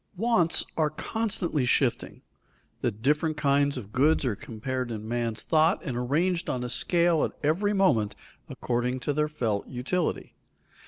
Wants are constantly shifting; different kinds of goods are compared in man's thought and arranged on a scale at every moment according to their felt utility.